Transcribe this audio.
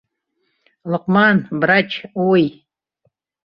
Лоҡма-а-а-н... брач... уй-й-й!